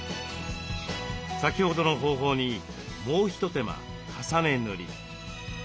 先ほどの方法にもう一手間重ね塗り。